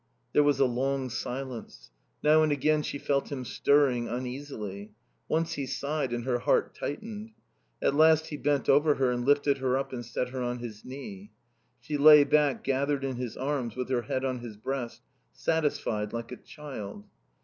There was a long silence. Now and again she felt him stirring uneasily. Once he sighed and her heart tightened. At last he bent over her and lifted her up and set her on his knee. She lay back gathered in his arms, with her head on his breast, satisfied, like a child.